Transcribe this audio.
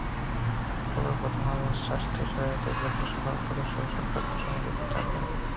শুক্রবার প্রথম আলো ট্রাস্টের সহায়তায় বন্ধুসভার সদস্যরা এসব খাদ্যসামগ্রী বিতরণ করেন।